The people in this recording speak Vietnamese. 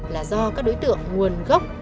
là do các đối tượng nguồn gốc